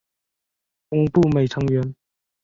峰步美成员。